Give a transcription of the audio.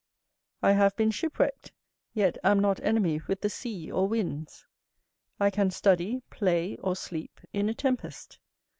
I have been shipwrecked, yet am not enemy with the sea or winds; I can study, play, or sleep, in a tempest.